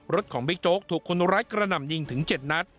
รถของบิ๊กโจ๊กถูกคนร้ายกระหน่ำยิงถึง๗นัด